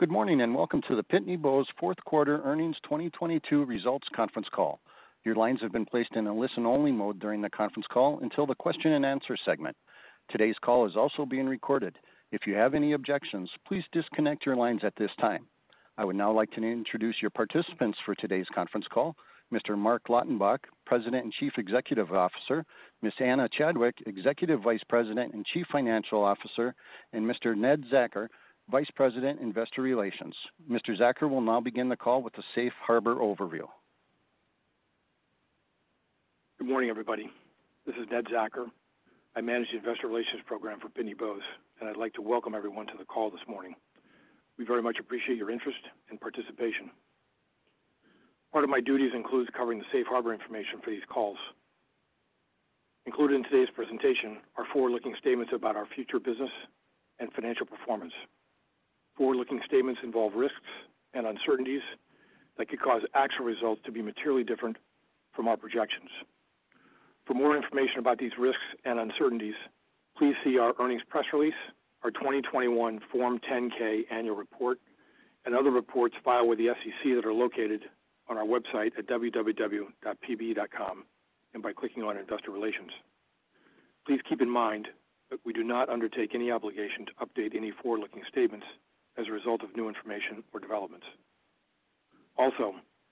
Good morning. Welcome to the Pitney Bowes Q4 Earnings 2022 Results Conference Call. Your lines have been placed in a listen-only mode during the conference call until the question and answer segment. Today's call is also being recorded. If you have any objections, please disconnect your lines at this time. I would now like to introduce your participants for today's conference call, Mr. Marc Lautenbach, President and Chief Executive Officer, Ms. Ana Chadwick, Executive Vice President and Chief Financial Officer, and Mr. Ned Zachar, Vice President, Investor Relations. Mr. Zachar will now begin the call with the Safe Harbor overview. Good morning, everybody. This is Ned Zachar. I manage the Investor Relations program for Pitney Bowes, and I'd like to welcome everyone to the call this morning. We very much appreciate your interest and participation. Part of my duties includes covering the Safe Harbor information for these calls. Included in today's presentation are forward-looking statements about our future business and financial performance. Forward-looking statements involve risks and uncertainties that could cause actual results to be materially different from our projections. For more information about these risks and uncertainties, please see our earnings press release, our 2021 Form 10-K annual report, and other reports filed with the SEC that are located on our website at www.pitneybowes.com, and by clicking on Investor Relations. Please keep in mind that we do not undertake any obligation to update any forward-looking statements as a result of new information or developments.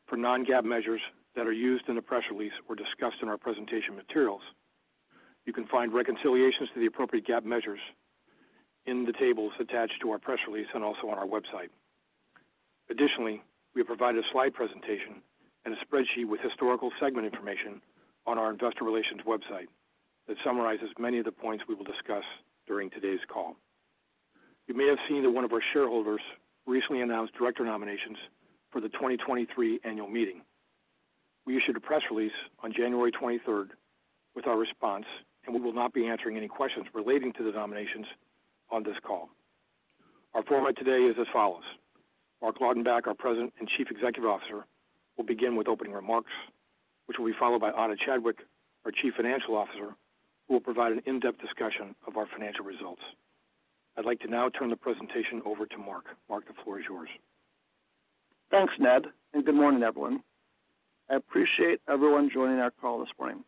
For non-GAAP measures that are used in the press release or discussed in our presentation materials, you can find reconciliations to the appropriate GAAP measures in the tables attached to our press release and also on our website. Additionally, we have provided a slide presentation and a spreadsheet with historical segment information on our investor relations website that summarizes many of the points we will discuss during today's call. You may have seen that one of our shareholders recently announced director nominations for the 2023 annual meeting. We issued a press release on January 23rd with our response, and we will not be answering any questions relating to the nominations on this call. Our format today is as follows. Marc Lautenbach, our President and Chief Executive Officer, will begin with opening remarks, which will be followed by Ana Chadwick, our Chief Financial Officer, who will provide an in-depth discussion of our financial results. I'd like to now turn the presentation over to Marc. Marc, the floor is yours. Thanks, Ned. Good morning, everyone. I appreciate everyone joining our call this morning.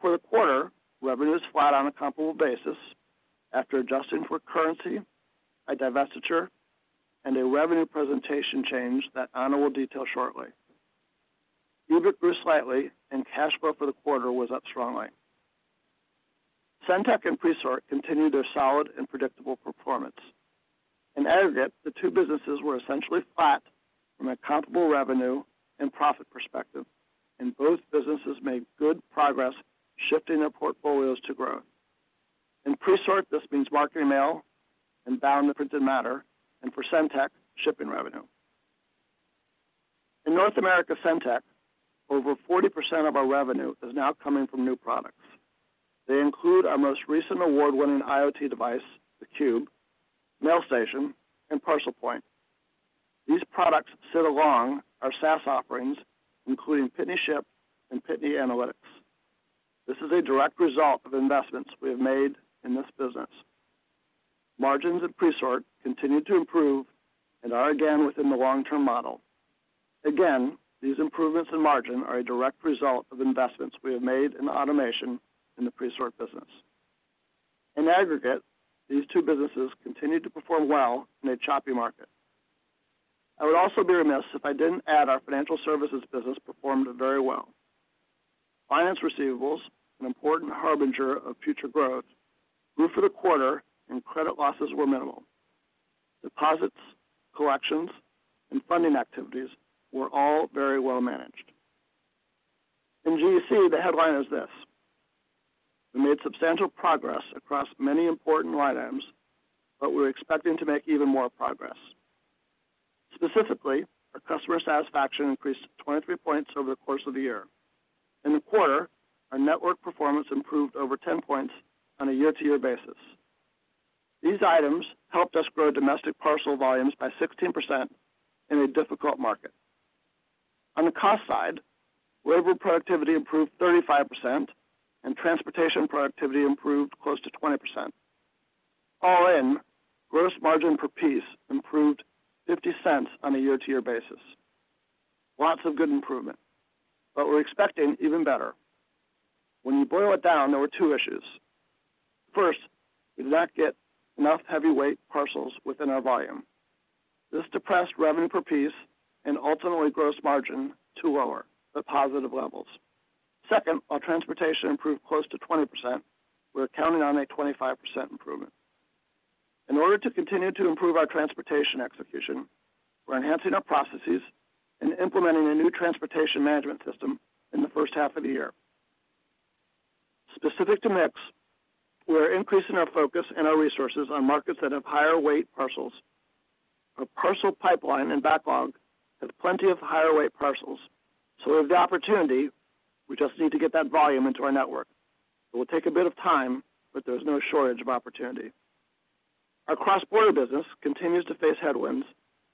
For the quarter, revenue is flat on a comparable basis after adjusting for currency, a divestiture, and a revenue presentation change that Ana will detail shortly. EBIT grew slightly. Cash flow for the quarter was up strongly. SendTech and Presort continued their solid and predictable performance. In aggregate, the two businesses were essentially flat from a comparable revenue and profit perspective. Both businesses made good progress shifting their portfolios to growth. In Presort, this means marketing mail and bound printed matter. For SendTech, shipping revenue. In North America SendTech, over 40% of our revenue is now coming from new products. They include our most recent award-winning IoT device, the Cube, MailStation, and ParcelPoint. These products sit along our SaaS offerings, including PitneyShip and PitneyAnalytics. This is a direct result of investments we have made in this business. Margins at Presort continue to improve and are again within the long-term model. Again, these improvements in margin are a direct result of investments we have made in automation in the Presort business. In aggregate, these two businesses continued to perform well in a choppy market. I would also be remiss if I didn't add our financial services business performed very well. Finance receivables, an important harbinger of future growth, grew for the quarter and credit losses were minimal. Deposits, collections, and funding activities were all very well managed. In GEC, the headline is this. We made substantial progress across many important line items, but we're expecting to make even more progress. Specifically, our customer satisfaction increased 23 points over the course of the year. In the quarter, our network performance improved over 10 points on a year-to-year basis. These items helped us grow domestic parcel volumes by 16% in a difficult market. On the cost side, labor productivity improved 35% and transportation productivity improved close to 20%. All in, gross margin per piece improved $0.50 on a year-to-year basis. Lots of good improvement, but we're expecting even better. When you boil it down, there were two issues. First, we did not get enough heavyweight parcels within our volume. This depressed revenue per piece and ultimately gross margin to lower the positive levels. Second, our transportation improved close to 20%. We're counting on a 25% improvement. In order to continue to improve our transportation execution, we're enhancing our processes and implementing a new transportation management system in the H1 of the year. Specific to mix, we're increasing our focus and our resources on markets that have higher weight parcels. Our parcel pipeline and backlog has plenty of higher weight parcels, so we have the opportunity, we just need to get that volume into our network. It will take a bit of time, but there's no shortage of opportunity. Our cross-border business continues to face headwinds.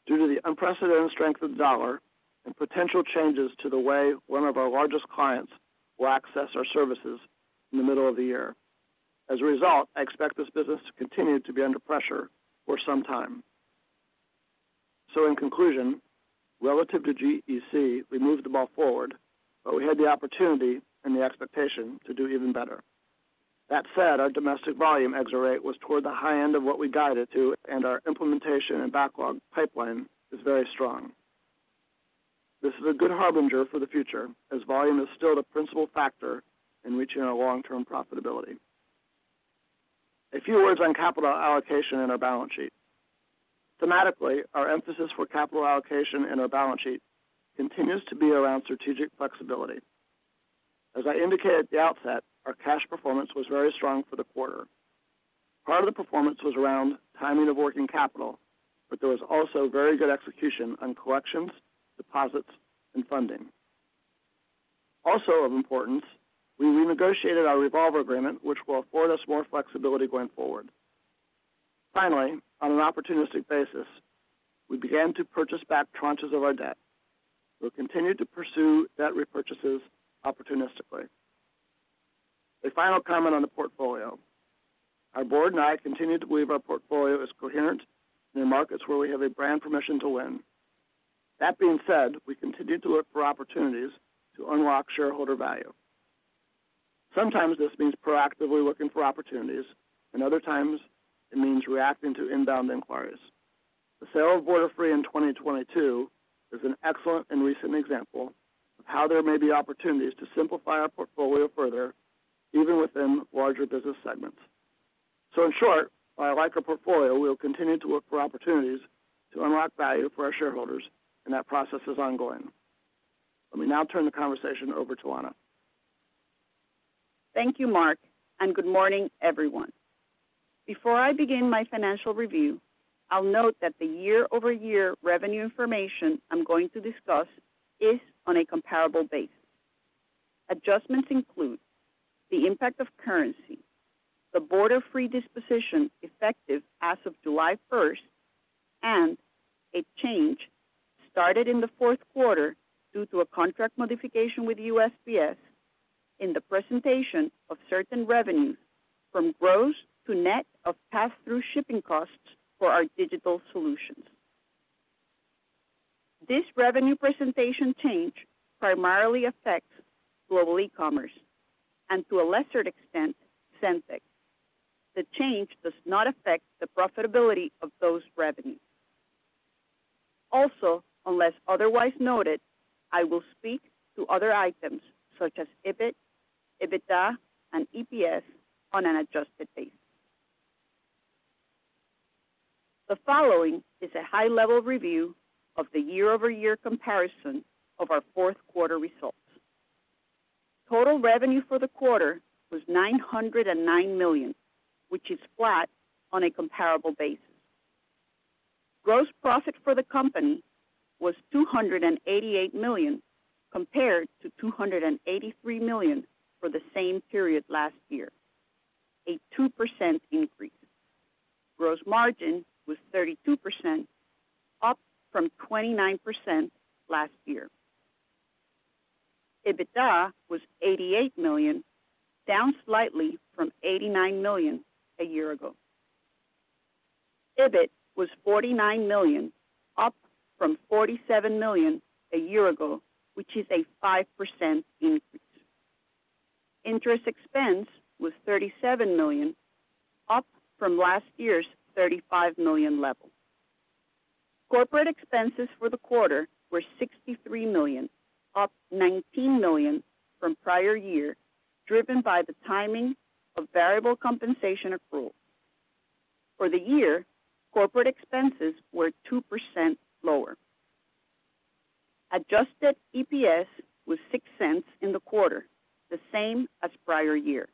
Due to the unprecedented strength of the dollar and potential changes to the way one of our largest clients will access our services in the middle of the year. As a result, I expect this business to continue to be under pressure for some time. In conclusion, relative to GEC, we moved the ball forward, but we had the opportunity and the expectation to do even better. That said, our domestic volume exit rate was toward the high end of what we guided to, and our implementation and backlog pipeline is very strong. This is a good harbinger for the future, as volume is still the principal factor in reaching our long-term profitability. A few words on capital allocation and our balance sheet. Thematically, our emphasis for capital allocation and our balance sheet continues to be around strategic flexibility. As I indicated at the outset, our cash performance was very strong for the quarter. Part of the performance was around timing of working capital, but there was also very good execution on collections, deposits, and funding. Of importance, we renegotiated our revolver agreement, which will afford us more flexibility going forward. Finally, on an opportunistic basis, we began to purchase back tranches of our debt. We'll continue to pursue debt repurchases opportunistically. A final comment on the portfolio. Our board and I continue to believe our portfolio is coherent in the markets where we have a brand permission to win. That being said, we continue to look for opportunities to unlock shareholder value. Sometimes this means proactively looking for opportunities, and other times it means reacting to inbound inquiries. The sale of Borderfree in 2022 is an excellent and recent example of how there may be opportunities to simplify our portfolio further, even within larger business segments. In short, while I like our portfolio, we will continue to look for opportunities to unlock value for our shareholders, and that process is ongoing. Let me now turn the conversation over to Ana. Thank you, Marc Lautenbach, and good morning, everyone. Before I begin my financial review, I'll note that the year-over-year revenue information I'm going to discuss is on a comparable basis. Adjustments include the impact of currency, the Borderfree disposition effective as of July first, and a change started in the Q4 due to a contract modification with USPS in the presentation of certain revenues from gross to net of pass-through shipping costs for our digital solutions. This revenue presentation change primarily affects Global Ecommerce and to a lesser extent, SendTech. The change does not affect the profitability of those revenues. Also, unless otherwise noted, I will speak to other items such as EBIT, EBITDA, and EPS on an adjusted basis. The following is a high-level review of the year-over-year comparison of our Q4 results. Total revenue for the quarter was $909 million, which is flat on a comparable basis. Gross profit for the company was $288 million compared to $283 million for the same period last year, a 2% increase. Gross margin was 32%, up from 29% last year. EBITDA was $88 million, down slightly from $89 million a year ago. EBIT was $49 million, up from $47 million a year ago, which is a 5% increase. Interest expense was $37 million, up from last year's $35 million level. Corporate expenses for the quarter were $63 million, up $19 million from prior year, driven by the timing of variable compensation accrual. For the year, corporate expenses were 2% lower. Adjusted EPS was $0.06 in the quarter, the same as prior year.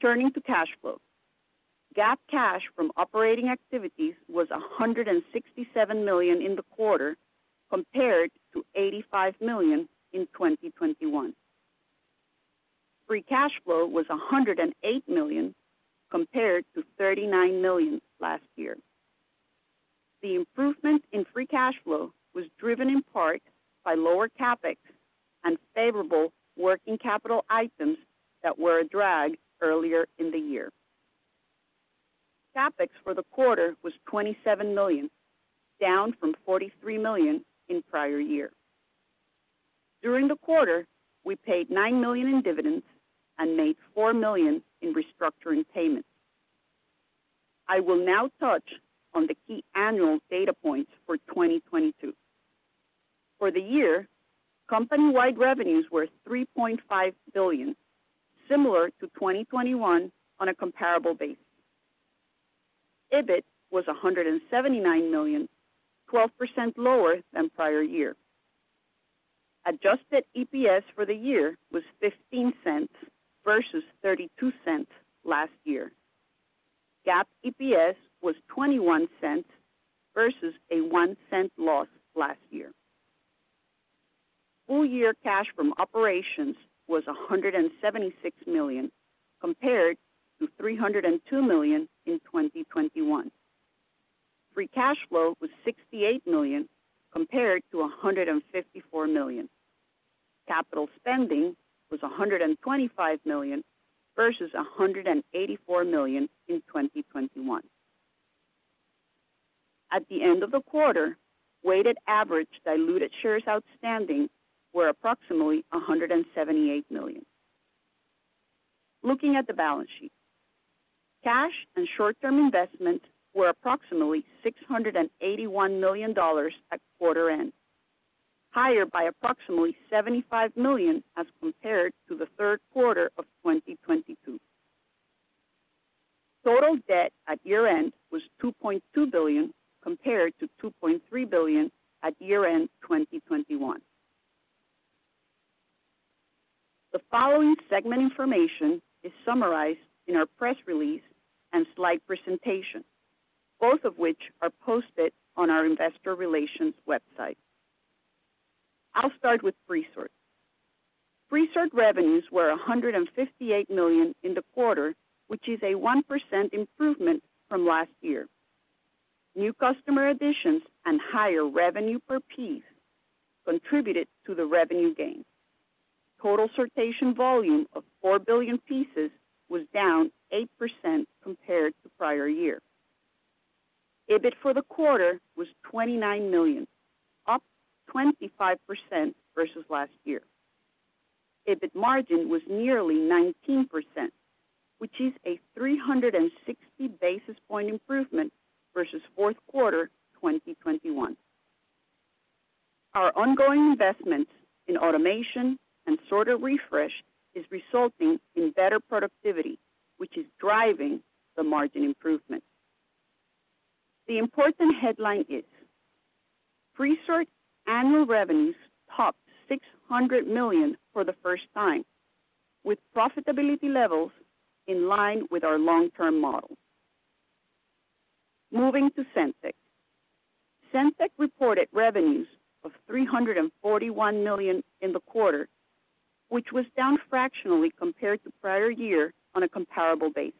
Turning to cash flow. GAAP cash from operating activities was $167 million in the quarter compared to $85 million in 2021. Free cash flow was $108 million compared to $39 million last year. The improvement in free cash flow was driven in part by lower CapEx and favorable working capital items that were a drag earlier in the year. CapEx for the quarter was $27 million, down from $43 million in prior year. During the quarter, we paid $9 million in dividends and made $4 million in restructuring payments. I will now touch on the key annual data points for 2022. For the year, company-wide revenues were $3.5 billion, similar to 2021 on a comparable basis. EBIT was $179 million, 12% lower than prior year. Adjusted EPS for the year was $0.15 versus $0.32 last year. GAAP EPS was $0.21 versus a $0.01 loss last year. Full year cash from operations was $176 million compared to $302 million in 2021. Free cash flow was $68 million compared to $154 million. Capital spending was $125 million versus $184 million in 2021. At the end of the quarter, weighted average diluted shares outstanding were approximately 178 million. Looking at the balance sheet. Cash and short-term investment were approximately $681 million at quarter end, higher by approximately $75 million as compared to the Q3 of 2022. Total debt at year-end was $2.2 billion compared to $2.3 billion at year-end 2021. The following segment information is summarized in our press release and slide presentation, both of which are posted on our investor relations website. I'll start with Presort. Presort revenues were $158 million in the quarter, which is a 1% improvement from last year. New customer additions and higher revenue per piece contributed to the revenue gain. Total sortation volume of four billion pieces was down 8% compared to prior year. EBIT for the quarter was $29 million, up 25% versus last year. EBIT margin was nearly 19%, which is a 360 basis point improvement versus Q4 2021. Our ongoing investment in automation and sorter refresh is resulting in better productivity, which is driving the margin improvement. The important headline is Presort annual revenues topped $600 million for the 1st time, with profitability levels in line with our long-term model. Moving to SendTech. SendTech reported revenues of $341 million in the quarter, which was down fractionally compared to prior year on a comparable basis.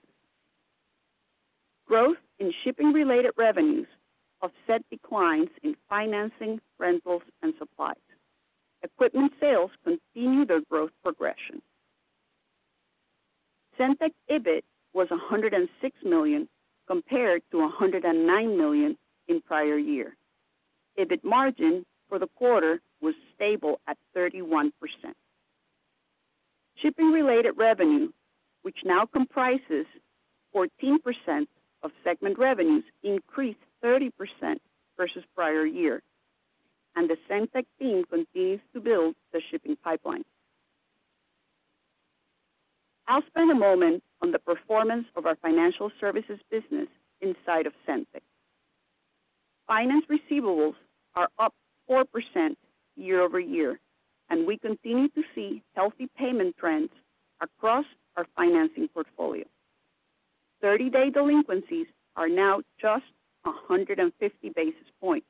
Growth in shipping-related revenues offset declines in financing, rentals, and supplies. Equipment sales continued their growth progression. SendTech EBIT was $106 million compared to $109 million in prior year. EBIT margin for the quarter was stable at 31%. Shipping-related revenue, which now comprises 14% of segment revenues, increased 30% versus prior year. The SendTech team continues to build the shipping pipeline. I'll spend a moment on the performance of our financial services business inside of SendTech. Finance receivables are up 4% year-over-year. We continue to see healthy payment trends across our financing portfolio. 30-day delinquencies are now just 150 basis points,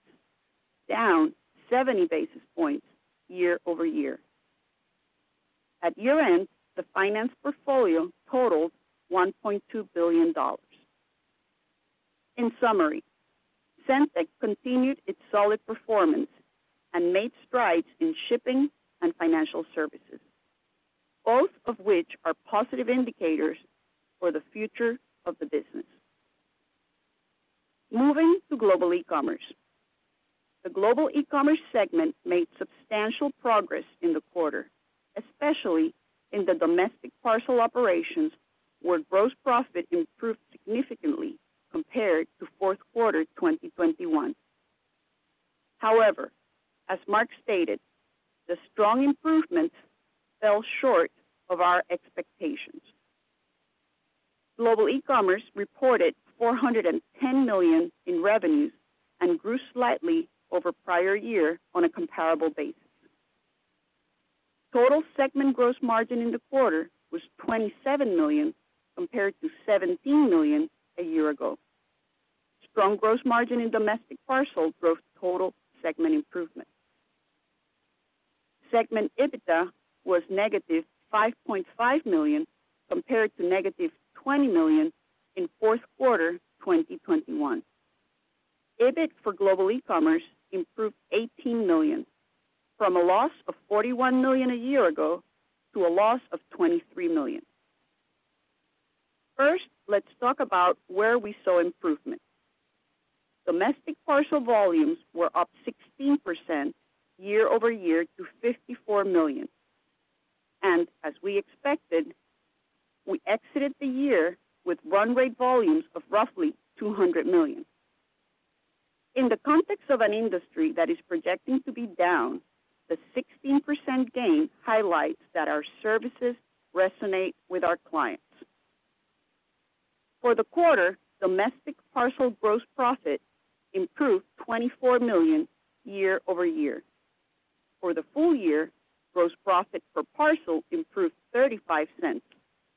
down 70 basis points year-over-year. At year-end, the finance portfolio totaled $1.2 billion. In summary, SendTech continued its solid performance and made strides in shipping and financial services, both of which are positive indicators for the future of the business. Moving to Global Ecommerce. The Global Ecommerce segment made substantial progress in the quarter, especially in the domestic parcel operations, where gross profit improved significantly compared to Q4 2021. As Marc stated, the strong improvement fell short of our expectations. Global Ecommerce reported $410 million in revenues and grew slightly over prior year on a comparable basis. Total segment gross margin in the quarter was $27 million compared to $17 million a year ago. Strong gross margin in domestic parcel drove total segment improvement. Segment EBITDA was negative $5.5 million compared to negative $20 million in Q4 2021. EBIT for Global Ecommerce improved $18 million from a loss of $41 million a year ago to a loss of $23 million. First, let's talk about where we saw improvement. Domestic parcel volumes were up 16% year-over-year to 54 million. As we expected, we exited the year with run rate volumes of roughly 200 million. In the context of an industry that is projecting to be down, the 16% gain highlights that our services resonate with our clients. For the quarter, domestic parcel gross profit improved $24 million year-over-year. For the full year, gross profit per parcel improved $0.35,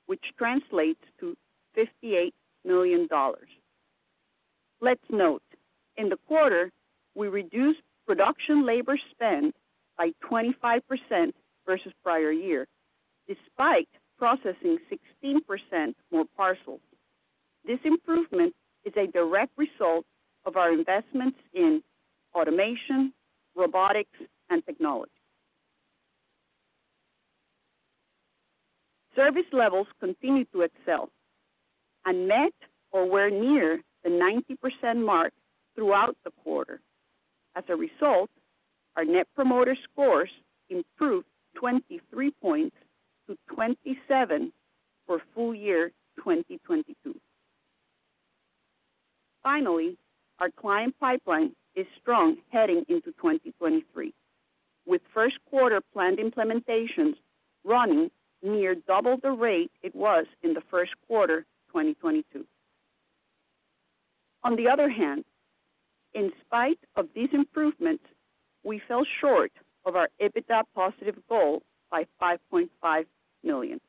which translates to $58 million. Let's note, in the quarter, we reduced production labor spend by 25% versus prior year, despite processing 16% more parcels. This improvement is a direct result of our investments in automation, robotics, and technology. Service levels continued to excel and met or were near the 90% mark throughout the quarter. As a result, our Net Promoter Score improved 23 points to 27 for full year 2022. Our client pipeline is strong heading into 2023, with Q1 planned implementations running near double the rate it was in the Q1 2022. In spite of these improvements, we fell short of our EBITDA positive goal by $5.5 million.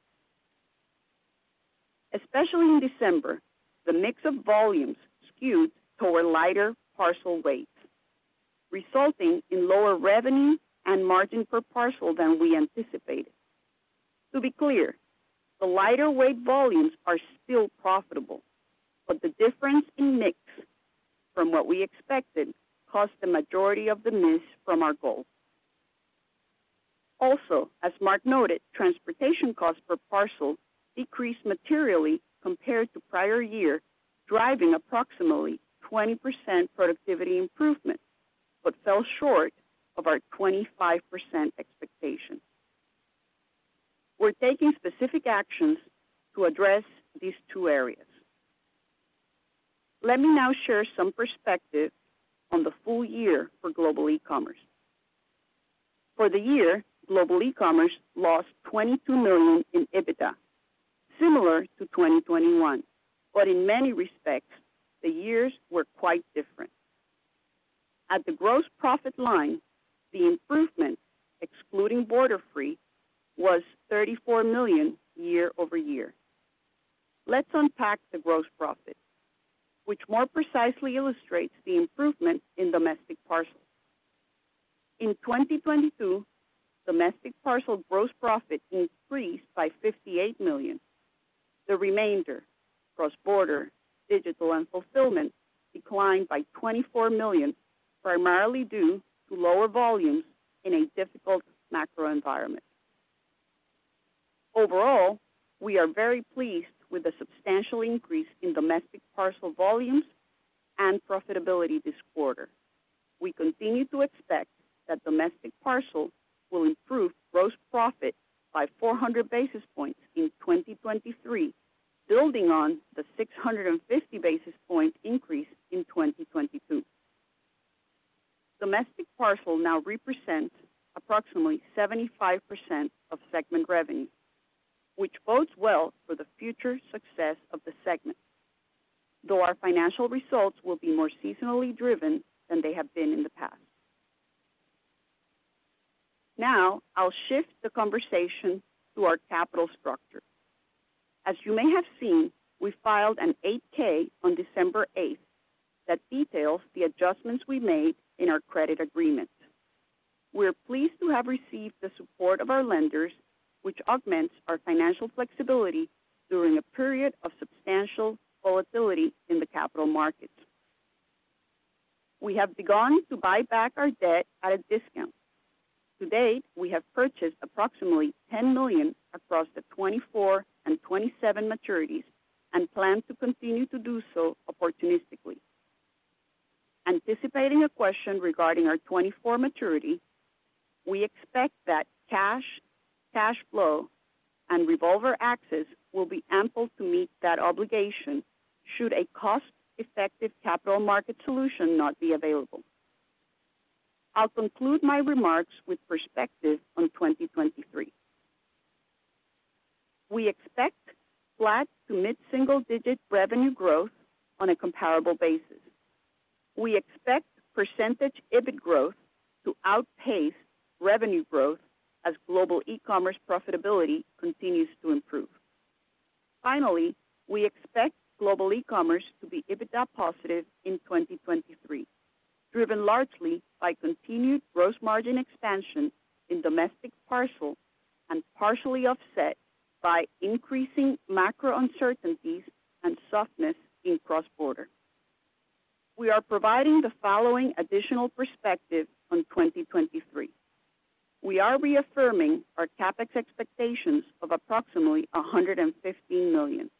Especially in December, the mix of volumes skewed toward lighter parcel weights, resulting in lower revenue and margin per parcel than we anticipated. To be clear, the lighter weight volumes are still profitable, but the difference in mix from what we expected cost the majority of the miss from our goal. Also, as Marc noted, transportation costs per parcel decreased materially compared to prior year, driving approximately 20% productivity improvement, but fell short of our 25% expectation. We're taking specific actions to address these two areas. Let me now share some perspective on the full year for Global Ecommerce. For the year, Global Ecommerce lost $22 million in EBITDA, similar to 2021. But in many respects, the years were quite different. At the gross profit line, the improvement, excluding Borderfree, was $34 million year-over-year. Let's unpack the gross profit, which more precisely illustrates the improvement in domestic parcels. In 2022, domestic parcel gross profit increased by $58 million. The remainder, cross-border, digital, and fulfillment, declined by $24 million, primarily due to lower volumes in a difficult macro environment. Overall, we are very pleased with the substantial increase in domestic parcel volumes and profitability this quarter. We continue to expect that domestic parcels will improve gross profit by 400 basis points in 2023, building on the 650 basis point increase in 2022. Domestic parcel now represents approximately 75% of segment revenue, which bodes well for the future success of the segment, though our financial results will be more seasonally driven than they have been in the past. I'll shift the conversation to our capital structure. As you may have seen, we filed an Form 8-K on December eighth that details the adjustments we made in our credit agreements. We're pleased to have received the support of our lenders, which augments our financial flexibility during a period of substantial volatility in the capital markets. We have begun to buy back our debt at a discount. To date, we have purchased approximately $10 million across the 2024 and 2027 maturities and plan to continue to do so opportunistically. Anticipating a question regarding our 2024 maturity, we expect that cash flow and revolver access will be ample to meet that obligation should a cost-effective capital market solution not be available. I'll conclude my remarks with perspective on 2023. We expect flat to mid-single digit revenue growth on a comparable basis. We expect percentage EBIT growth to outpace revenue growth as Global Ecommerce profitability continues to improve. Finally, we expect Global Ecommerce to be EBITDA positive in 2023, driven largely by continued gross margin expansion in domestic parcel and partially offset by increasing macro uncertainties and softness in cross-border. We are providing the following additional perspective on 2023. We are reaffirming our CapEx expectations of approximately $115 million.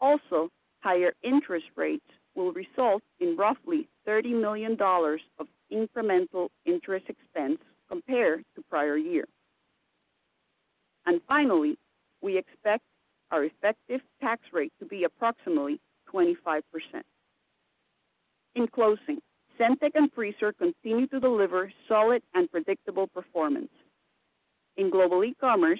Also, higher interest rates will result in roughly $30 million of incremental interest expense compared to prior year. Finally, we expect our effective tax rate to be approximately 25%. In closing, SendTech and Presort continue to deliver solid and predictable performance. In Global Ecommerce,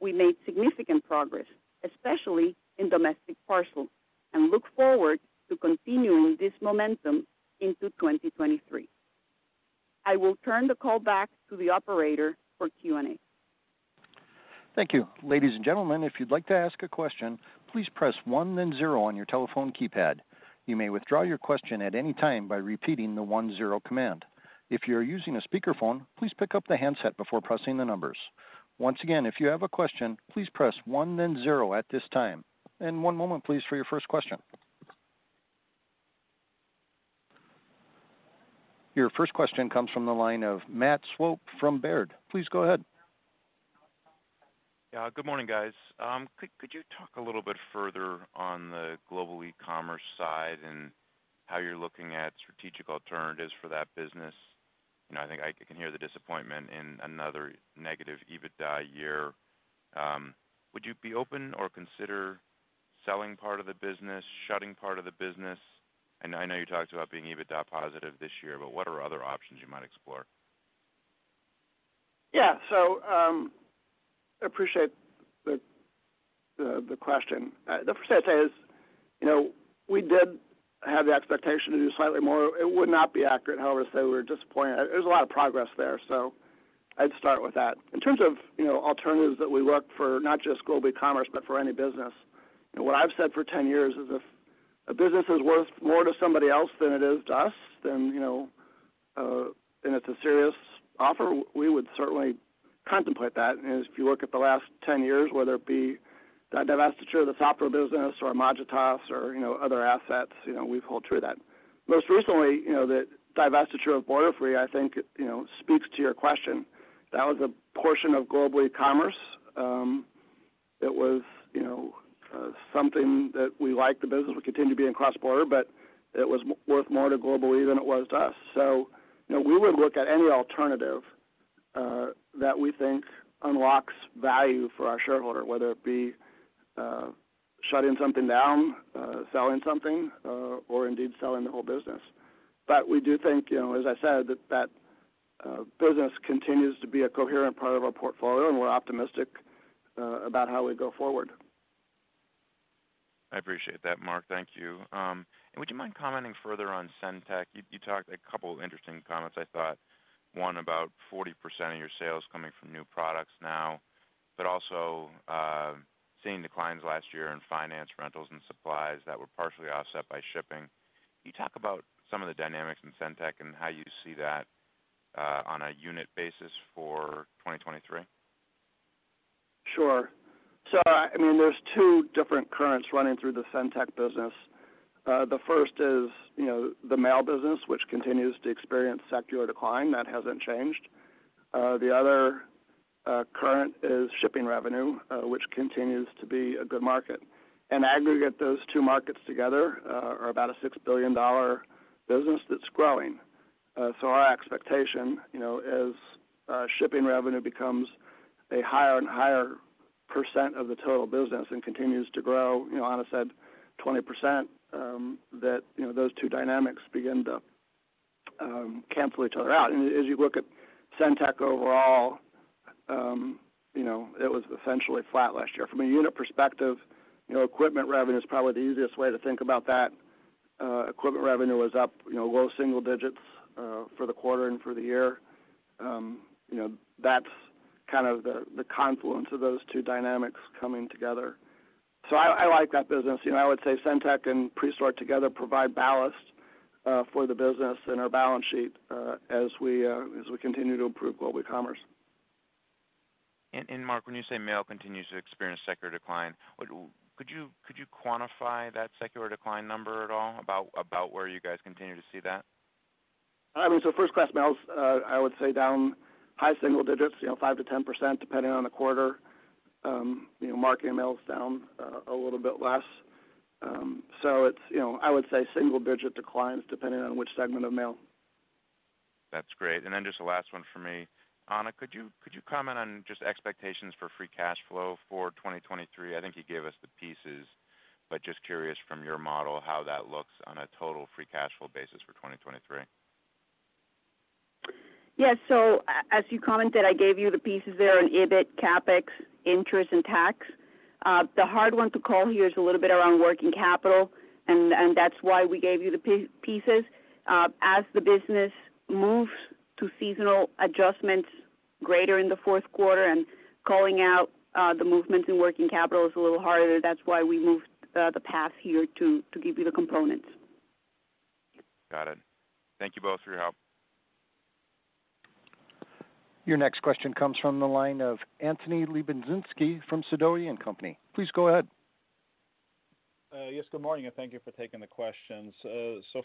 we made significant progress, especially in domestic parcels, and look forward to continuing this momentum into 2023. I will turn the call back to the operator for Q&A. Thank you. Ladies and gentlemen, if you'd like to ask a question, please press one then zero on your telephone keypad. You may withdraw your question at any time by repeating the one zero command. If you're using a speakerphone, please pick up the handset before pressing the numbers. Once again, if you have a question, please press one then zero at this time. One moment, please, for your first question. Your first question comes from the line of Matt Swope from Baird. Please go ahead. Yeah, good morning, guys. could you talk a little bit further on the Global Ecommerce side and how you're looking at strategic alternatives for that business? You know, I think I can hear the disappointment in another negative EBITDA year. Would you be open or consider selling part of the business, shutting part of the business? I know you talked about being EBITDA positive this year, but what are other options you might explore? Appreciate the question. The first thing I'd say is, you know, we did have the expectation to do slightly more. It would not be accurate, however, to say we were disappointed. There's a lot of progress there, so I'd start with that. In terms of, you know, alternatives that we look for, not just Global Ecommerce, but for any business, you know what I've said for 10 years is if a business is worth more to somebody else than it is to us, then, you know, and it's a serious offer, we would certainly contemplate that. If you look at the last 10 years, whether it be the divestiture of the software business or Magitas or, you know, other assets, you know, we've hold true to that. Most recently, you know, the divestiture of Borderfree, I think, you know, speaks to your question. That was a portion of Global Ecommerce. It was, you know, something that we like the business. We continue to be in cross-border, but it was worth more to Global-e than it was to us. You know, we would look at any alternative that we think unlocks value for our shareholder, whether it be shutting something down, selling something, or indeed selling the whole business. We do think, you know, as I said, that that business continues to be a coherent part of our portfolio, and we're optimistic about how we go forward. I appreciate that, Marc. Thank you. Would you mind commenting further on SendTech? You talked a couple interesting comments, I thought. One, about 40% of your sales coming from new products now, but also, seeing declines last year in finance rentals and supplies that were partially offset by shipping. Can you talk about some of the dynamics in SendTech and how you see that on a unit basis for 2023? Sure. I mean, there's two different currents running through the SendTech business. The first is, you know, the mail business, which continues to experience secular decline. That hasn't changed. The other current is shipping revenue, which continues to be a good market. In aggregate, those two markets together are about a $6 billion business that's growing. Our expectation, you know, as shipping revenue becomes a higher and higher percent of the total business and continues to grow, you know, Ana said 20%, that, you know, those two dynamics begin to cancel each other out. As you look at SendTech overall, you know, it was essentially flat last year. From a unit perspective, you know, equipment revenue is probably the easiest way to think about that. Equipment revenue was up, you know, low single digits for the quarter and for the year. You know, that's kind of the confluence of those two dynamics coming together. I like that business. You know, I would say SendTech and Presort together provide ballast for the business and our balance sheet as we continue to improve global commerce. Marc, when you say mail continues to experience secular decline, could you quantify that secular decline number at all, about where you guys continue to see that? I mean, first-class mail's, I would say down high single digits, you know, 5%-10%, depending on the quarter. You know, marketing mail's down a little bit less. It's, you know, I would say single-digit declines, depending on which segment of mail. That's great. Just the last one for me. Ana, could you comment on just expectations for free cash flow for 2023? I think you gave us the pieces, but just curious from your model how that looks on a total free cash flow basis for 2023. Yes. As you commented, I gave you the pieces there on EBIT, CapEx, interest, and tax. The hard one to call here is a little bit around working capital, and that's why we gave you the pieces. As the business moves to seasonal adjustments greater in the Q4 and calling out the movements in working capital is a little harder, that's why we moved the path here to give you the components. Got it. Thank you both for your help. Your next question comes from the line of Anthony Lebiedzinski from Sidoti & Company. Please go ahead. Yes, good morning, thank you for taking the questions.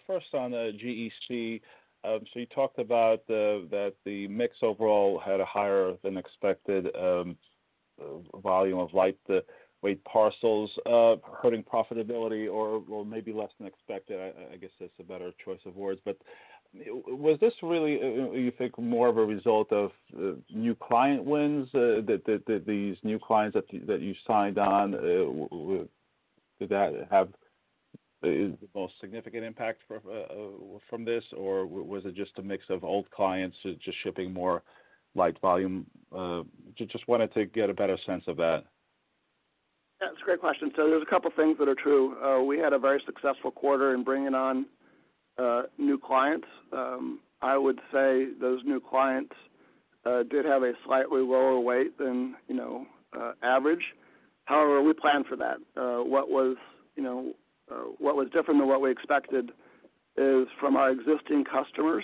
First on GEC. You talked about that the mix overall had a higher than expected volume of lightweight parcels, hurting profitability or maybe less than expected. I guess that's a better choice of words. Was this really, you think, more of a result of new client wins, that these new clients that you signed on, did that have the most significant impact from this? Was it just a mix of old clients just shipping more light volume? Just wanted to get a better sense of that. That's a great question. There's a couple things that are true. We had a very successful quarter in bringing on new clients. I would say those new clients did have a slightly lower weight than, you know, average. However, we planned for that. What was, you know, what was different than what we expected is from our existing customers,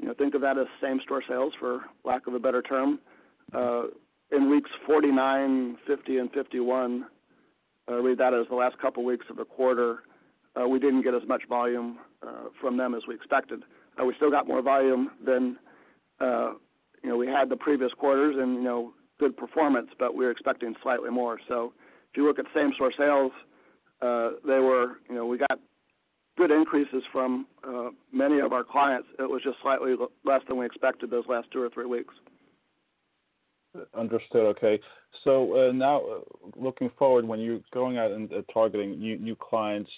you know, think of that as same-store sales, for lack of a better term. In weeks 49, 50, and 51, I believe that is the last couple weeks of the quarter, we didn't get as much volume from them as we expected. We still got more volume than, you know, we had the previous quarters and, you know, good performance, but we were expecting slightly more. If you look at same-store sales, they were. You know, we got good increases from many of our clients. It was just slightly less than we expected those last two or three weeks. Understood. Okay. Now looking forward, when you're going out and targeting new clients,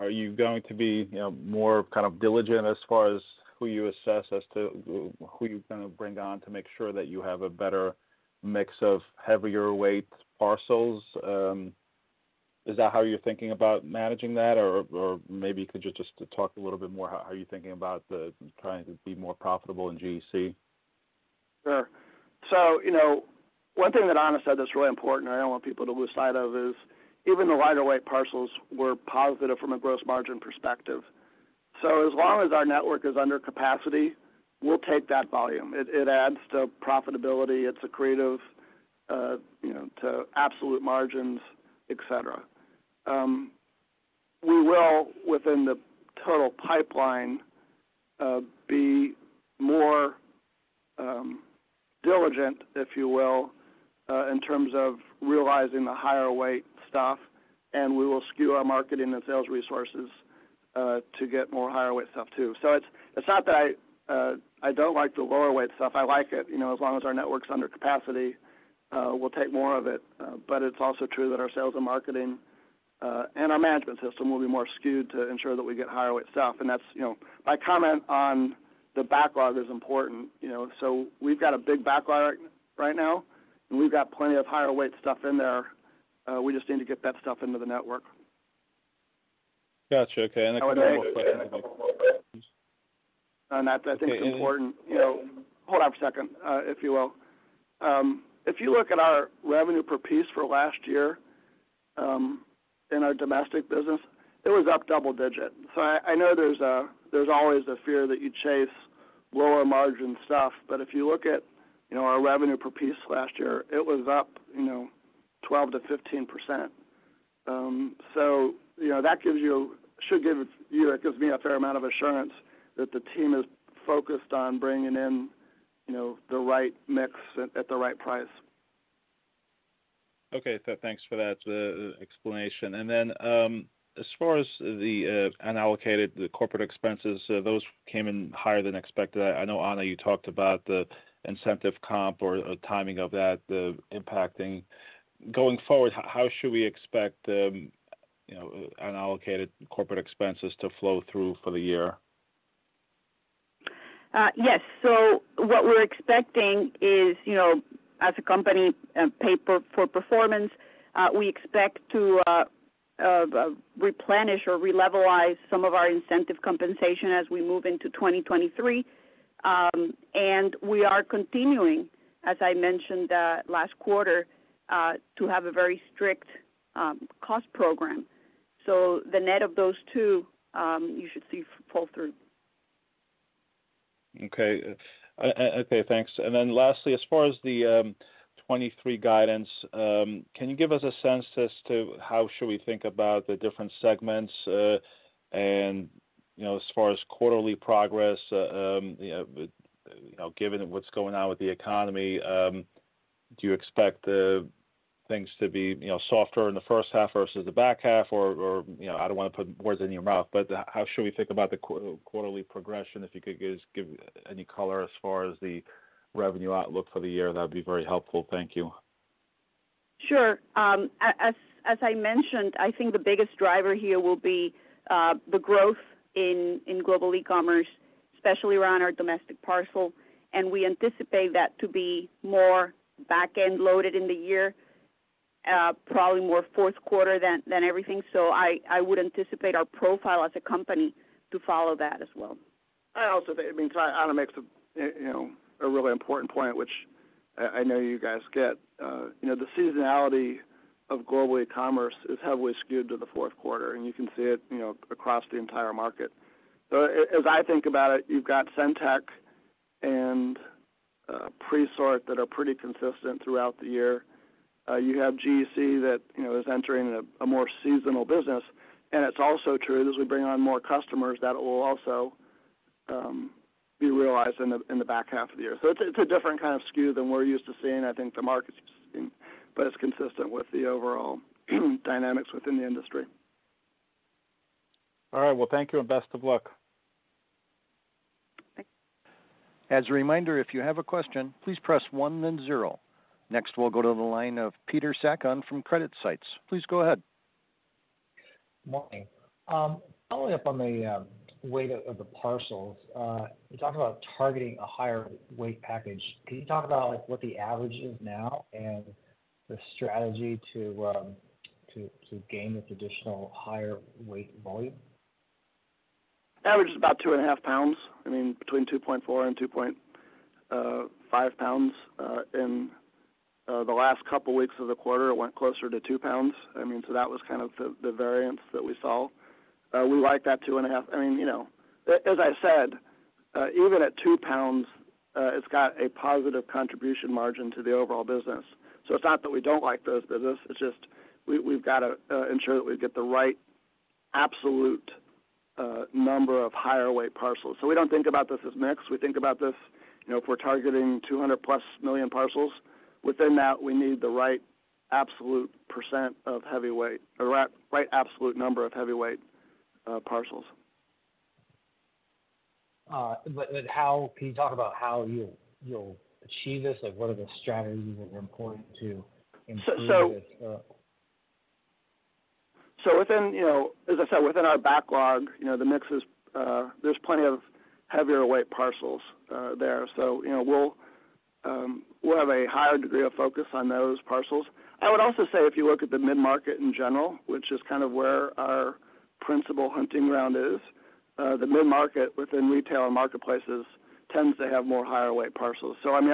are you going to be, you know, more kind of diligent as far as who you assess as to who you're gonna bring on to make sure that you have a better mix of heavier weight parcels? Is that how you're thinking about managing that? Or maybe could you just talk a little bit more how you're thinking about the trying to be more profitable in GEC? Sure. You know, one thing that Ana said that's really important, and I don't want people to lose sight of, is even the lighter weight parcels were positive from a gross margin perspective. As long as our network is under capacity, we'll take that volume. It adds to profitability. It's accretive, you know, to absolute margins, et cetera. We will, within the total pipeline, be more diligent, if you will, in terms of realizing the higher weight stuff, and we will skew our marketing and sales resources, to get more higher weight stuff too. It's, it's not that I don't like the lower weight stuff. I like it. You know, as long as our network's under capacity, we'll take more of it. It's also true that our sales and marketing, and our management system will be more skewed to ensure that we get higher weight stuff. That's, you know, my comment on the backlog is important, you know. We've got a big backlog right now, and we've got plenty of higher weight stuff in there. We just need to get that stuff into the network. Got you. Okay. I think it's important, you know. Hold on for a second, if you will. If you look at our revenue per piece for last year, in our domestic business, it was up double-digit. I know there's always a fear that you chase lower margin stuff. If you look at, you know, our revenue per piece last year, it was up, you know, 12%-15%. So you know, that gives me a fair amount of assurance that the team is focused on bringing in, you know, the right mix at the right price. Okay. Thanks for that explanation. As far as the unallocated, the corporate expenses, those came in higher than expected. I know, Ana, you talked about the incentive comp or the timing of that impacting. Going forward, how should we expect the, you know, unallocated corporate expenses to flow through for the year? Yes. What we're expecting is, you know, as a company, pay for performance, we expect to replenish or relevelize some of our incentive compensation as we move into 2023. We are continuing, as I mentioned, last quarter, to have a very strict cost program. The net of those two, you should see pull through. Okay. Okay, thanks. Lastly, as far as the 2023 guidance, can you give us a sense as to how should we think about the different segments? And, you know, as far as quarterly progress, you know, given what's going on with the economy, do you expect things to be, you know, softer in the H1 versus the back half? Or, you know, I don't wanna put words in your mouth, but how should we think about the quarterly progression? If you could give us, give any color as far as the revenue outlook for the year, that'd be very helpful. Thank you. Sure. As I mentioned, I think the biggest driver here will be the growth in global e-commerce, especially around our domestic parcel. We anticipate that to be more back-end loaded in the year, probably more Q4 than everything. I would anticipate our profile as a company to follow that as well. I also think, I mean, Ana makes a, you know, a really important point, which I know you guys get. You know, the seasonality of Global Ecommerce is heavily skewed to the Q4, and you can see it, you know, across the entire market. As I think about it, you've got SendTech and Presort that are pretty consistent throughout the year. You have GEC that, you know, is entering a more seasonal business. It's also true that as we bring on more customers, that will also be realized in the back half of the year. It's a different kind of skew than we're used to seeing, I think the market's used to seeing, but it's consistent with the overall dynamics within the industry. All right. Well, thank you and best of luck. Thanks. As a reminder, if you have a question, please press one then zero. Next, we'll go to the line of Peter Sakon from CreditSights. Please go ahead. Morning. Following up on the weight of the parcels, you talk about targeting a higher weight package. Can you talk about, like, what the average is now and the strategy to gain this additional higher weight volume? Average is about 2.5 lbs, I mean, between 2.4 and 2.5 lbs. In the last couple weeks of the quarter, it went closer to two lbs. I mean, that was kind of the variance that we saw. We like that 2.5... I mean, you know, as I said, even at two lbs, it's got a positive contribution margin to the overall business. It's not that we don't like those business, it's just we've gotta ensure that we get the right absolute number of higher weight parcels. We don't think about this as mix. We think about this, you know, if we're targeting 200+ million parcels, within that, we need the right absolute percent of heavyweight or right absolute number of heavyweight parcels. Can you talk about how you'll achieve this? Like, what are the strategies that are important to improve this? Within, you know, as I said, within our backlog, you know, the mix is, there's plenty of heavier weight parcels there. You know, we'll have a higher degree of focus on those parcels. I would also say if you look at the mid-market in general, which is kind of where our principal hunting ground is, the mid-market within retail and marketplaces tends to have more higher weight parcels. I mean,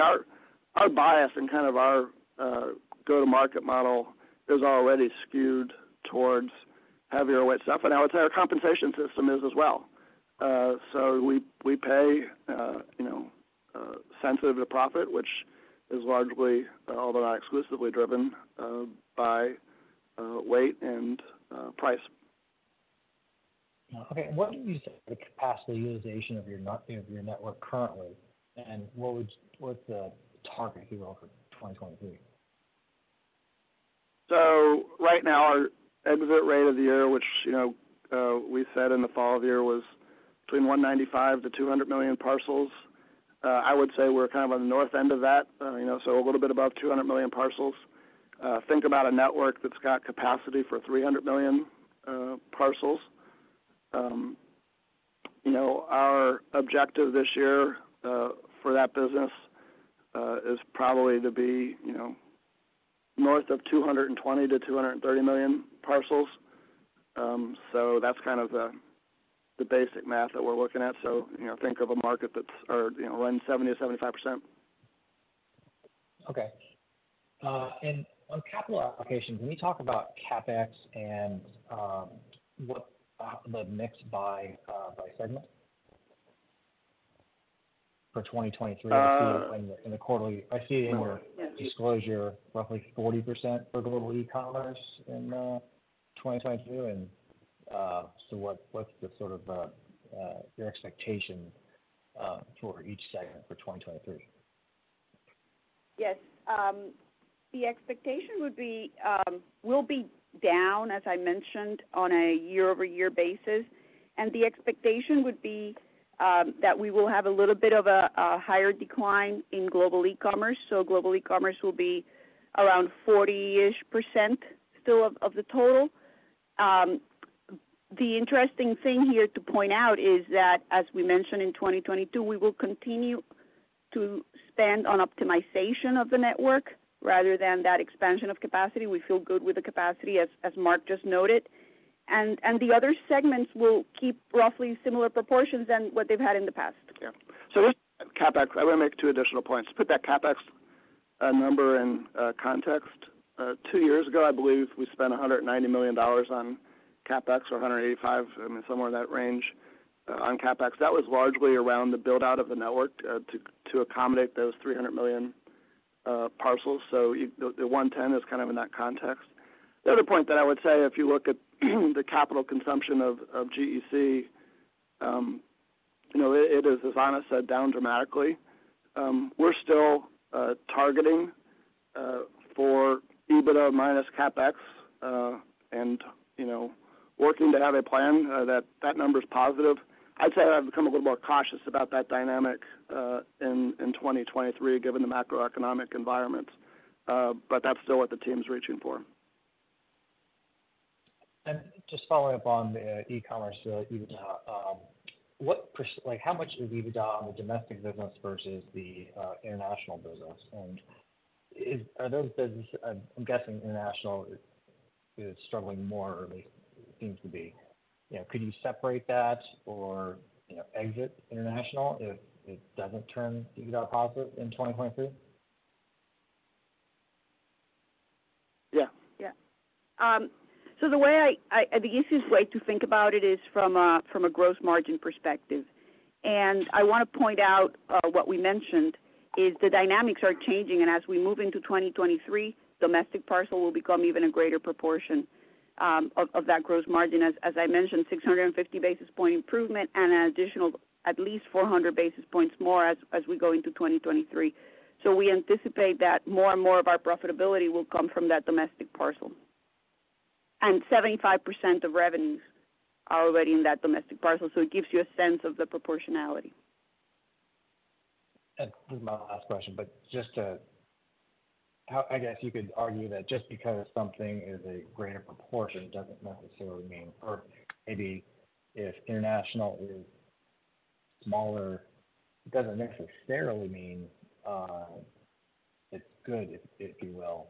our bias and kind of our go-to-market model is already skewed towards heavier weight stuff, and our entire compensation system is as well. We pay, you know, sensitive to profit, which is largely, although not exclusively driven by weight and price. Yeah. Okay. What do you say the capacity utilization of your you know, of your network currently, and what's the target here over 2023? Right now our exhibit rate of the year, which, you know, we said in the fall of the year was between 195 million-200 million parcels. I would say we're kind of on the north end of that, you know, a little bit above 200 million parcels. Think about a network that's got capacity for 300 million parcels. You know, our objective this year for that business is probably to be, you know, north of 220 million-230 million parcels. That's kind of the basic math that we're looking at. You know, think of a market that's, you know, running 70%-75%. Okay. On capital allocations, can you talk about CapEx and, what, the mix by segment for 2023? Um- I see in the quarterly, I see in your disclosure roughly 40% for Global Ecommerce in 2022. So what's the sort of your expectation for each segment for 2023? Yes. The expectation would be, will be down, as I mentioned, on a year-over-year basis, and the expectation would be, that we will have a little bit of a higher decline in Global Ecommerce. Global Ecommerce will be around 40-ish% still of the total. The interesting thing here to point out is that as we mentioned in 2022, we will continue to spend on optimization of the network rather than that expansion of capacity. We feel good with the capacity as Marc just noted. The other segments will keep roughly similar proportions than what they've had in the past. CapEx, I wanna make two additional points. Put that CapEx number in context. Two years ago, I believe we spent $190 million on CapEx, or $185 million, I mean, somewhere in that range on CapEx. That was largely around the build out of the network to accommodate those 300 million parcels. The $110 million is kind of in that context. The other point that I would say, if you look at the capital consumption of GEC, you know, it is, as Ana said, down dramatically. We're still targeting for EBITDA minus CapEx, and, you know, working to have a plan that number's positive. I'd say I've become a little more cautious about that dynamic in 2023 given the macroeconomic environment. That's still what the team's reaching for. Just following up on the e-commerce EBITDA, what %, like, how much of EBITDA on the domestic business versus the international business? Are those business I'm guessing international is struggling more, or at least seems to be. You know, could you separate that or, you know, exit international if it doesn't turn EBITDA positive in 2023? Yeah. Yeah. The easiest way to think about it is from a gross margin perspective. I wanna point out what we mentioned is the dynamics are changing, and as we move into 2023, domestic parcel will become even a greater proportion of that gross margin. As I mentioned, 650 basis point improvement and an additional at least 400 basis points more as we go into 2023. We anticipate that more and more of our profitability will come from that domestic parcel. 75% of revenues are already in that domestic parcel, so it gives you a sense of the proportionality. This is my last question, I guess you could argue that just because something is a greater proportion doesn't necessarily mean it's perfect. Maybe if international is smaller, it doesn't necessarily mean it's good, if you will.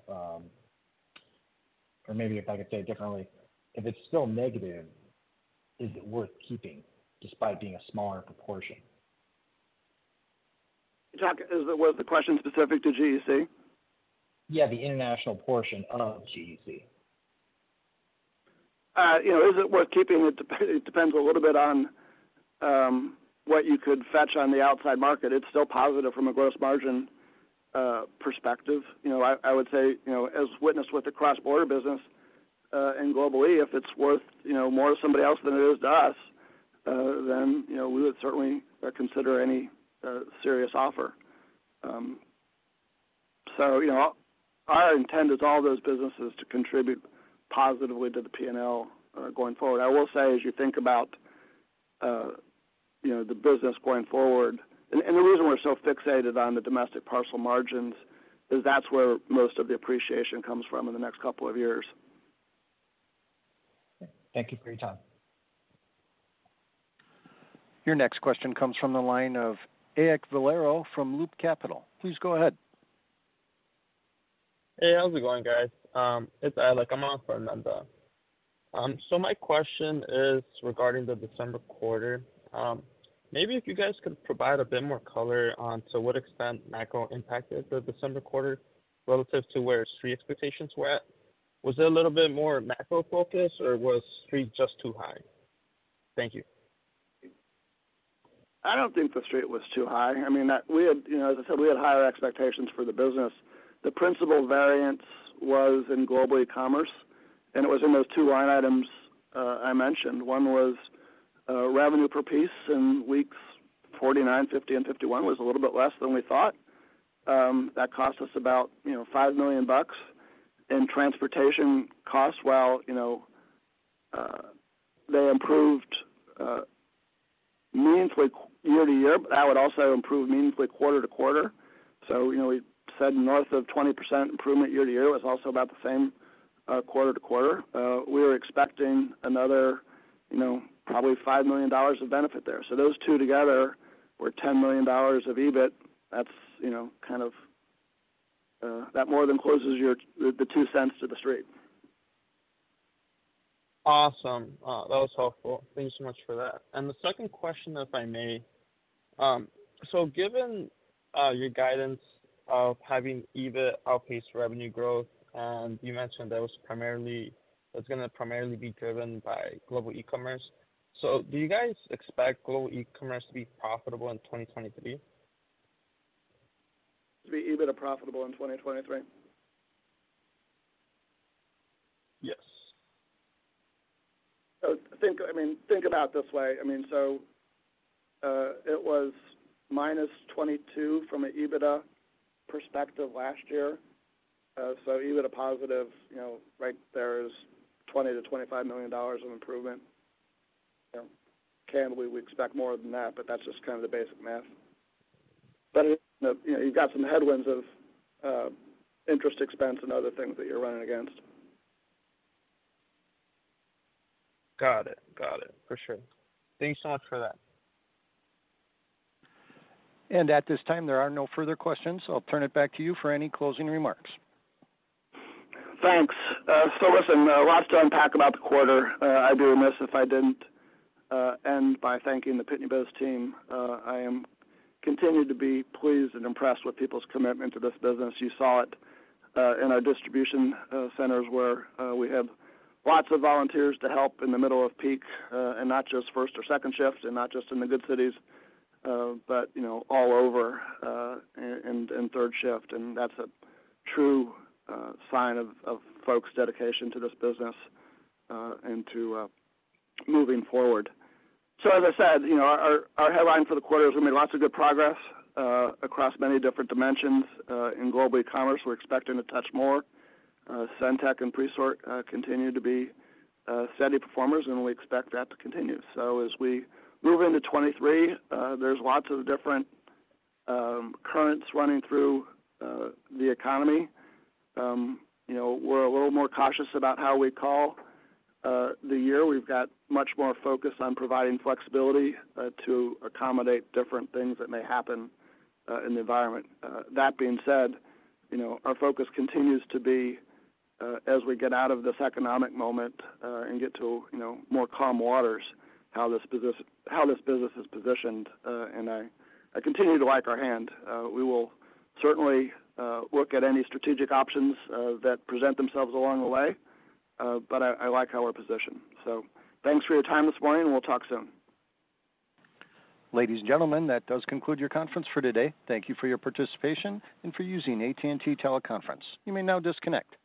Maybe if I could say it differently, if it's still negative, is it worth keeping despite being a smaller proportion? Jack, was the question specific to GEC? Yeah, the international portion of GEC. You know, is it worth keeping? It depends a little bit on what you could fetch on the outside market. It's still positive from a gross margin perspective. You know, I would say, you know, as witnessed with the cross-border business and globally, if it's worth, you know, more to somebody else than it is to us, then, you know, we would certainly consider any serious offer. Our intent is all those businesses to contribute positively to the P&L going forward. I will say, as you think about, you know, the business going forward, and the reason we're so fixated on the domestic parcel margins is that's where most of the appreciation comes from in the next couple of years. Thank you for your time. Your next question comes from the line of Alek Valero from Loop Capital. Please go ahead. Hey, how's it going, guys? It's Alek. I'm on for Amanda. My question is regarding the December quarter. Maybe if you guys could provide a bit more color on to what extent macro impacted the December quarter relative to where Street expectations were at. Was it a little bit more macro-focused, or was Street just too high? Thank you. I don't think the Street was too high. I mean, that we had, you know, as I said, we had higher expectations for the business. The principal variance was in Global Ecommerce, and it was in those two line items I mentioned. One was revenue per piece in weeks 49, 50, and 51 was a little bit less than we thought. That cost us about, you know, $5 million. Transportation costs, while, you know, they improved meaningfully year-to-year, but that would also improve meaningfully quarter-to-quarter. We said north of 20% improvement year-to-year was also about the same quarter-to-quarter. We were expecting another, probably $5 million of benefit there. Those two together were $10 million of EBIT. That's, you know, kind of, that more than closes the $0.02 to the Street. Awesome. That was helpful. Thank you so much for that. The second question, if I may. Given your guidance of having EBIT outpace revenue growth, and you mentioned that's gonna primarily be driven by Global Ecommerce. Do you guys expect Global Ecommerce to be profitable in 2023? To be EBIT or profitable in 2023? Yes. Think, I mean, think about it this way. I mean, it was -$22 million from an EBITDA perspective last year. EBITDA positive, you know, right there is $20 million-$25 million of improvement. You know, we expect more than that, but that's just kinda the basic math. You know, you've got some headwinds of interest expense and other things that you're running against. Got it. Got it. For sure. Thank you so much for that. At this time, there are no further questions. I'll turn it back to you for any closing remarks. Thanks. Listen, lots to unpack about the quarter. I'd be remiss if I didn't end by thanking the Pitney Bowes team. I am continued to be pleased and impressed with people's commitment to this business. You saw it in our distribution centers, where we had lots of volunteers to help in the middle of peak, and not just first or second shifts and not just in the good cities, but, you know, all over, and third shift. That's a true sign of folks' dedication to this business and to moving forward. As I said, you know, our headline for the quarter is we made lots of good progress across many different dimensions. In Global Ecommerce, we're expecting to touch more. SendTech and Presort continue to be steady performers, and we expect that to continue. As we move into 2023, there's lots of different currents running through the economy. You know, we're a little more cautious about how we call the year. We've got much more focus on providing flexibility to accommodate different things that may happen in the environment. That being said, you know, our focus continues to be as we get out of this economic moment and get to, you know, more calm waters, how this business is positioned. I continue to like our hand. We will certainly look at any strategic options that present themselves along the way, but I like how we're positioned. Thanks for your time this morning, and we'll talk soon. Ladies and gentlemen, that does conclude your conference for today. Thank you for your participation and for using AT&T Teleconference. You may now disconnect.